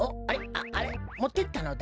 ああれ？もってったのだ？